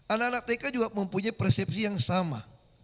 anak anak tk juga mempunyai persepsi yang sama